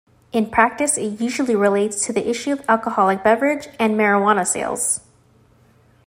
In practice, it usually relates to the issue of alcoholic beverage and marijuana sales.